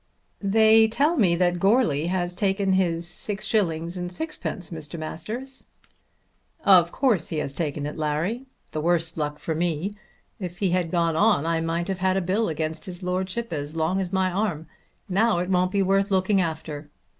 "They tell me that Goarly has taken his 7_s._ 6_d._, Mr. Masters." "Of course he has taken it, Larry. The worse luck for me. If he had gone on I might have had a bill against his Lordship as long as my arm. Now it won't be worth looking after."